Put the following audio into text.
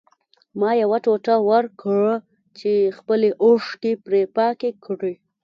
ما یو ټوټه ورکړه چې خپلې اوښکې پرې پاکې کړي